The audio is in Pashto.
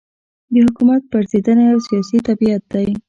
د حکومت پرځېدنه یو سیاسي طبیعت دی.